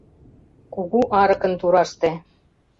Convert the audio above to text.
Кугу арыкын тураште